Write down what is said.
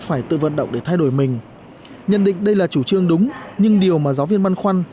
phải tự vận động để thay đổi mình nhận định đây là chủ trương đúng nhưng điều mà giáo viên băn khoăn